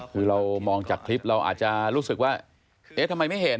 คือเรามองจากคลิปเราอาจจะรู้สึกว่าเอ๊ะทำไมไม่เห็น